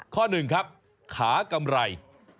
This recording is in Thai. ข้อ๑ครับขากำไร